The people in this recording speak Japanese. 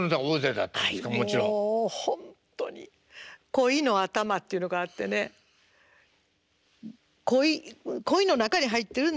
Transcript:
コイの頭っていうのがあってねコイコイの中に入ってるんですよ。